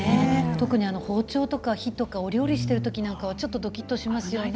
特に包丁とか火とかお料理してる時なんかはちょっとドキッとしますよね。